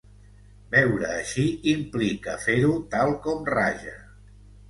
Beure així implica fer-ho tal com raja.